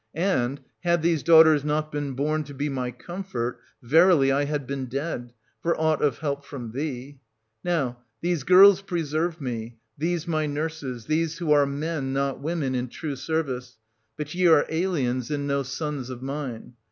And, had these daughters not been born to be my comfort, verily I had been dead, for aught of help from thee. Now, these girls preserve me, these my nurses, these who are men, not women, in true service: but ye are aliens, and no sons of mine.